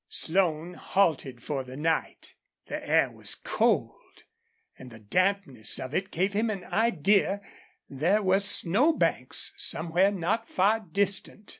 Slone halted for the night. The air was cold. And the dampness of it gave him an idea there were snow banks somewhere not far distant.